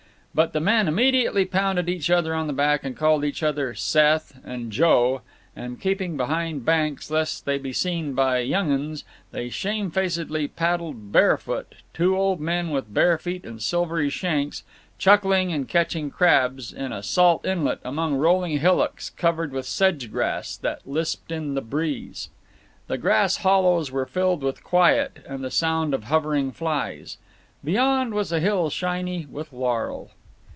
But the men immediately pounded each other on the back and called each other "Seth" and "Joe," and, keeping behind banks lest they be seen by young uns, they shamefacedly paddled barefoot two old men with bare feet and silvery shanks, chuckling and catching crabs, in a salt inlet among rolling hillocks covered with sedge grass that lisped in the breeze. The grass hollows were filled with quiet and the sound of hovering flies. Beyond was a hill shiny with laurel.